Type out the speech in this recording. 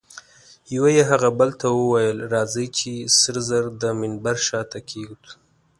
یوه یې هغه بل ته وویل: راځئ چي سره زر د منبر شاته کښېږدو.